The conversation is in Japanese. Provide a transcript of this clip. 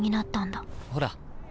ほら。